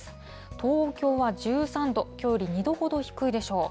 東京は１３度、きょうより２度ほど低いでしょう。